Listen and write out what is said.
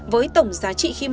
với tổng giá trị khi mua